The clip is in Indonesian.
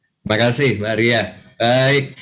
terima kasih mbak ria baik